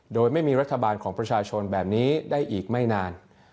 โดยไม่มีรัฐบาลของประชาชนแบบนี้ได้อีกไม่นาน